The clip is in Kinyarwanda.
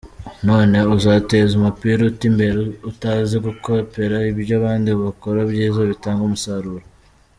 None uzateza umupira ute imbere utazi gukopera ibyo abandi bakora byiza bitanga umusaruro?